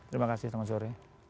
terima kasih tuan monsur